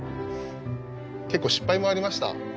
結構失敗もありました。